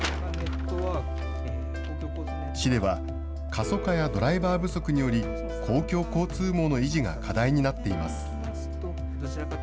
市では、過疎化やドライバー不足により、公共交通網の維持が課題になっています。